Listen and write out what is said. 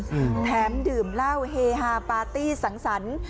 อืมแถมดื่มเหล้าเฮฮาปาร์ตี้สังสรรค์